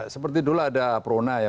seperti dulu ada prona ya